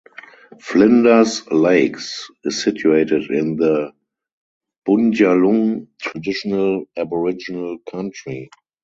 Flinders Lakes is situated in the Bundjalung traditional Aboriginal country.